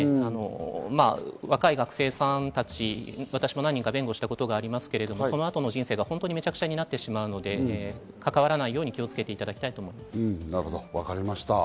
若い学生さんたち、私も何人か弁護したことがありますけれど、そのあとの人生がめちゃくちゃになってしまうので、かかわらないように気を分かりました。